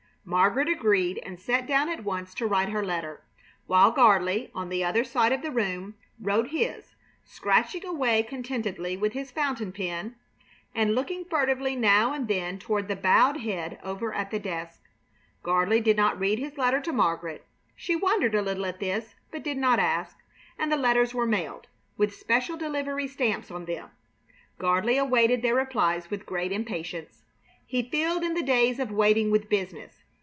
Margaret agreed and sat down at once to write her letter, while Gardley, on the other side of the room, wrote his, scratching away contentedly with his fountain pen and looking furtively now and then toward the bowed head over at the desk. Gardley did not read his letter to Margaret. She wondered a little at this, but did not ask, and the letters were mailed, with special delivery stamps on them. Gardley awaited their replies with great impatience. He filled in the days of waiting with business.